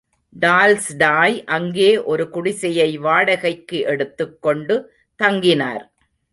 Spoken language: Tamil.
டால்ஸ்டாய் அங்கே ஒரு குடிசையை வாடகைக்கு எடுத்துக் கொண்டு தங்கினார்.